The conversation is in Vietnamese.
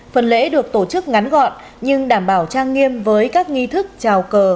phần lễ được tổ chức ngắn gọn nhưng đảm bảo trang nghiêm với các nghi thức trào cờ